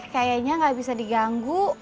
kayaknya enggak bisa diganggu